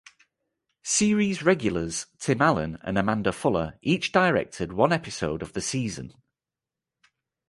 Series regulars Tim Allen and Amanda Fuller each directed one episode of the season.